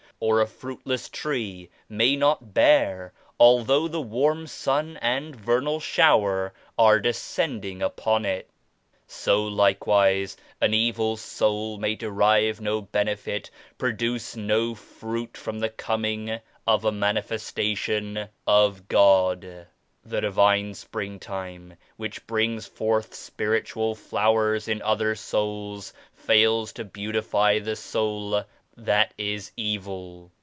Or a fruitless tree may not bear although the warm sun and vernal shower are descending upon it. So likewise an evil soul may derive no benefit, produce no fruit from the Coming of a Mani festation of God. The Divine Springtime which brings forth spiritual flowers in other souls fails to beautify the soul that is evil.